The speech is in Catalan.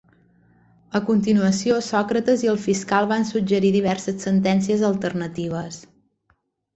A continuació, Sòcrates i el fiscal van suggerir diverses sentències alternatives.